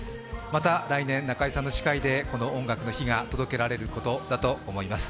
また来年、中居さんの司会でこの「音楽の日」が届けられることだと思います。